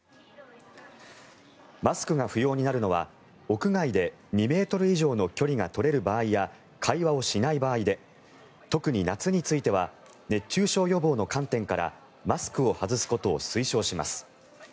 マスクが不要になるのは、屋外で２ｍ以上の距離が取れる場合や会話をしない場合で特に夏については熱中症予防の観点からマスクを外すことを推奨します。